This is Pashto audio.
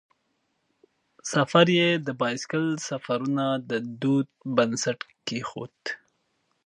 سفر یې د بایسکل سفرونو د دود بنسټ کیښود.